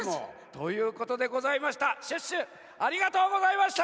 ということでございました。